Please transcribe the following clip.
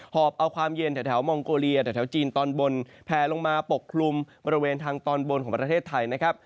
อบเอาความเย็นแถวมองโกเลียแถวจีนตอนบนแพลลงมาปกคลุมบริเวณทางตอนบนของประเทศไทยนะครับ